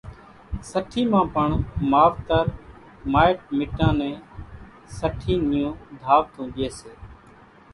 سٺِي مان پڻ ماوَتر مائٽ مِٽان نين سٺِي نيون ڌاوَتون ڄيَ سي۔